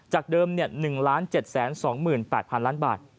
จากเดิม๑๗๒๘๐๐๐บาท